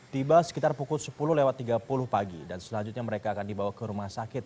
tiba sekitar pukul sepuluh lewat tiga puluh pagi dan selanjutnya mereka akan dibawa ke rumah sakit